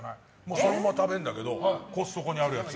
そのまま食べられるんだけどコストコにあるやつ。